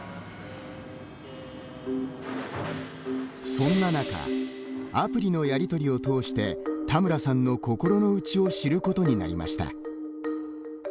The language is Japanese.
そんな中アプリのやり取りを通して田村さんの心のうちを知ることになりました。